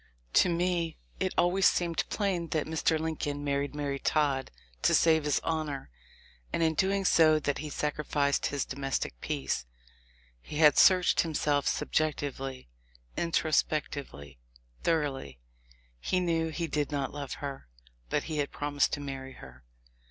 To me it has always seemed plain that Mr. Lincoln mar ried Mary Todd to save his honor, and in doing that he sacrificed his domestic peace. He had searched himself subjectively, introspectively, thoroughly; he knew he did not love her, but he had promised to marry her!